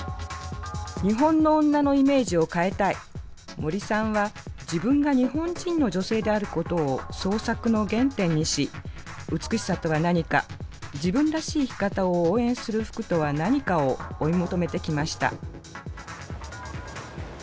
森さんは自分が日本人の女性であることを創作の原点にし美しさとは何か自分らしい生き方を応援する服とは何かを追い求めてきました。